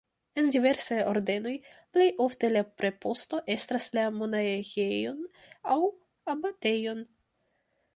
En diversaj ordenoj plej ofte la preposto estras la monaĥejon aŭ abatejon.